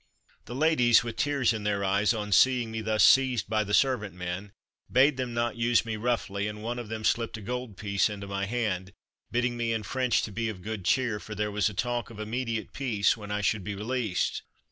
The ladies, with tears in their eyes, on seeing me thus seized by the servant men, bade them not use me roughly, and one of them slipped a gold piece into my hand, bidding me in French to be of good cheer, for there was a talk of immediate peace, when I should be released.